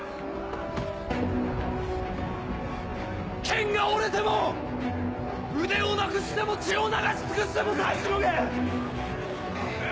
剣が折れても腕をなくしても血を流し尽くしても耐えしのげ！